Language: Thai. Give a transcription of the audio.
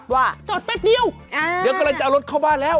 ว่าจอดแป๊บเดียวเดี๋ยวกำลังจะเอารถเข้าบ้านแล้ว